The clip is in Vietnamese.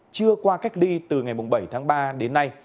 chưa qua cách ly từ ngày bảy tháng ba đến nay